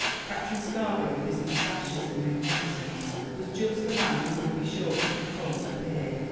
Captain Scarborough, with his mustaches and magnificence, was just the man who would be sure to become a peer.